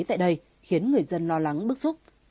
tại đây khiến người dân lo lắng bức xúc